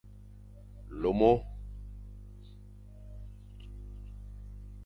Lomo.